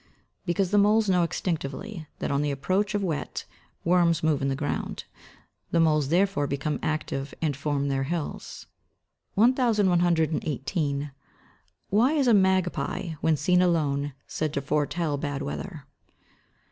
_ Because the moles know instinctively, that on the approach of wet, worms move in the ground; the moles therefore become active, and form their hills. 1118. _Why is a magpie, when seen alone, said to foretell bad weather?